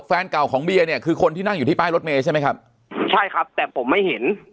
แฟนเก่าของเบียร์เนี่ยคือคนที่นั่งอยู่ที่ป้ายรถเมย์ใช่ไหมครับใช่ครับแต่ผมไม่เห็น